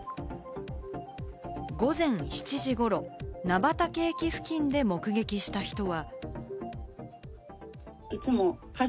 午前７時ごろ、菜畑駅付近で目撃した人は。